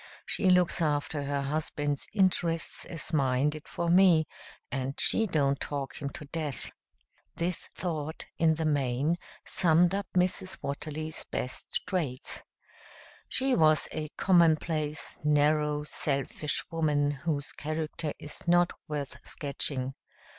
"She looks after her husband's interests as mine did for me, and she don't talk him to death." This thought, in the main, summed up Mrs. Watterly's best traits. She was a commonplace, narrow, selfish woman, whose character is not worth sketching.